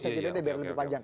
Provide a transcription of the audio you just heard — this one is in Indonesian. biar lebih panjang